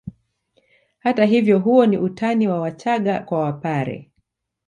Hata hivyo huo ni utani wa Wachaga kwa Wapare